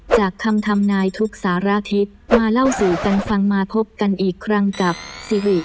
จากคำทำนายทุกสารทิศมาเล่าสู่กันฟังมาพบกันอีกครั้งกับซิริ